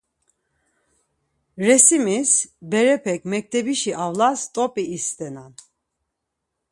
Resimis, berepek mektebişi avlas t̆op̌i istenan.